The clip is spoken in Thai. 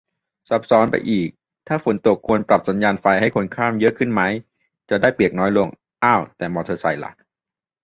ซับซ้อนไปอีก ถ้าฝนตก ควรปรับสัญญานไฟให้คนข้ามเยอะขึ้นไหม จะได้เปียกน้อยลง อ้าว แต่มอไซค์ล่ะ